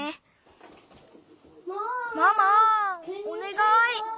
おねがい！